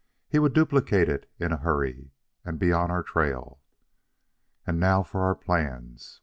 He would duplicate it in a hurry and be on our trail. "And now for our plans.